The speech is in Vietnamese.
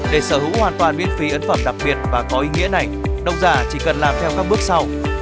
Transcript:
để sở hữu hoàn toàn miễn phí ấn phẩm đặc biệt và có ý nghĩa này độc giả chỉ cần làm theo các bước sau